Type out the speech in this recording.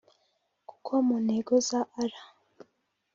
kuko mu ntego za R